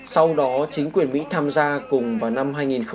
sau đó chính quyền mỹ tham gia cùng vào năm hai nghìn một mươi